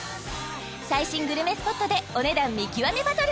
最新グルメスポットでお値段見極めバトル！